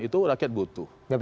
itu rakyat butuh